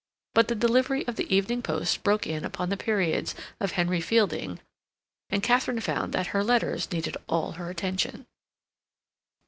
But the delivery of the evening post broke in upon the periods of Henry Fielding, and Katharine found that her letters needed all her attention.